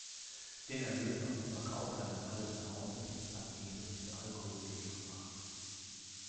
Den Erlös aus dem Verkauf seines alten Hauses hat Jesus mit Alkohol durchgebracht.